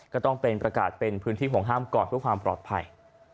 ก็ต้องเป็นประกาศเป็นพื้นที่ห่วงห้ามก่อนเพื่อความปลอดภัย